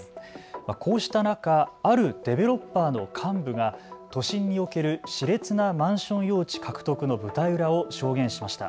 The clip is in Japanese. こうした中、あるデベロッパーの幹部が都心におけるしれつなマンション用地獲得の舞台裏を証言しました。